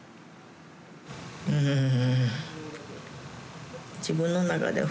うん。